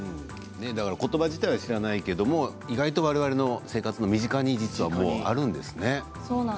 言葉自体は知らないけども意外と我々の生活の身近に実はあるんですね。